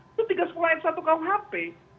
itu tiga sekolah yang satu kau hp